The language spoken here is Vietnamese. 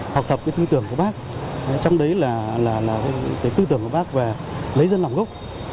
học thập tư tưởng của bác trong đấy là tư tưởng của bác và lấy dân làm gốc